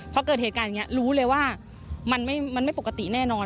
พอเกิดเหตุการณ์อย่างนี้รู้เลยว่ามันไม่ปกติแน่นอน